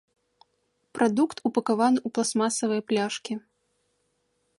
Прадукт упакаваны ў пластмасавыя пляшкі.